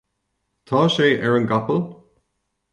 tá sé ar an gcapall